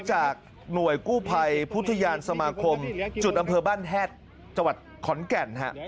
จากหน่วยกู้ภัยพุทธยานสมาคมจุดอำเภอบ้านแฮดจังหวัดขอนแก่น